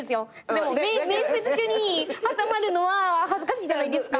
でも面接中に挟まるのは恥ずかしいじゃないですか。